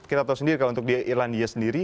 kita tahu sendiri kalau untuk di irlandia sendiri